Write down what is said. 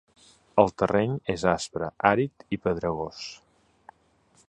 El terreny és aspre, àrid i pedregós.